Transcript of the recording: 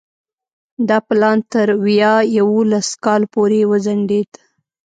دا پلان تر ویا یوولس کال پورې وځنډېد.